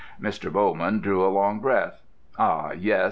Mr. Bowman drew a long breath. "Ah, yes!"